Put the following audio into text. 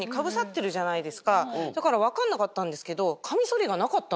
じゃないですかだから分かんなかったんですけど。